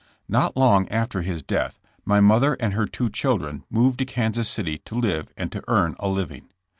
Not long after his death, my mother and her two children moved to Kansas City to live and to earn a living.